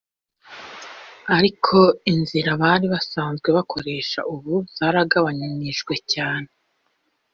ariko inzira bari basanzwe bakoresha ubu zaragabanijwe cane